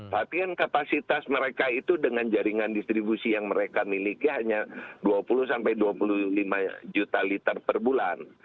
tapi kan kapasitas mereka itu dengan jaringan distribusi yang mereka miliki hanya dua puluh sampai dua puluh lima juta liter per bulan